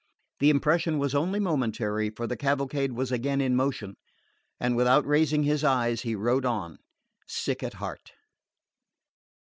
The impression was only momentary; for the cavalcade was again in motion, and without raising his eyes he rode on, sick at heart...